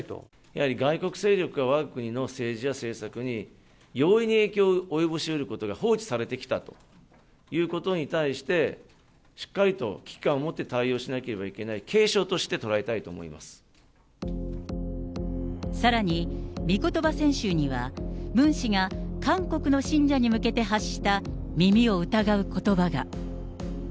やはり外国勢力がわが国の政治や政策に容易に影響を及ぼしうることが放置されてきたということに対して、しっかりと危機感を持って対応しなければいけない、さらに、御言葉選集には、ムン氏が韓国の信者に向けて発した耳を疑うことばが。